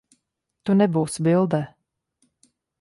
Tu nebūsi bildē.